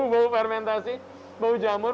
bau fermentasi bau jamur